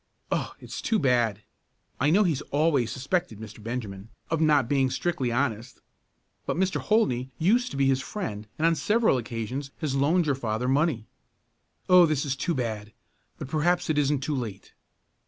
Oh, it's too bad! I know he always suspected Mr. Benjamin of not being strictly honest, but Mr. Holdney used to be his friend and on several occasions has loaned your father money. Oh, this is too bad, but perhaps it isn't too late.